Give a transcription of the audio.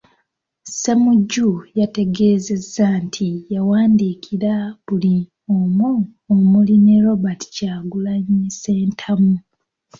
Ssemujju yategeezezza nti yawandiikira buli omu omuli ne Robert Kyagulanyi Ssentamu.